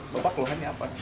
bapak keluhannya apa